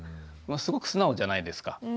すごく素直じゃないですか。